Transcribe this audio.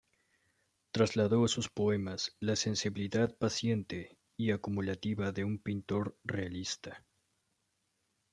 Trasladó a sus poemas la sensibilidad paciente y acumulativa de un pintor realista.